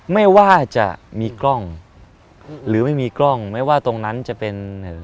ไม่ว่าจะมีกล้องหรือไม่มีกล้องไม่ว่าตรงนั้นจะเป็นเอ่อ